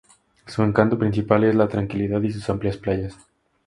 Su encanto principal es la tranquilidad y sus amplias playas.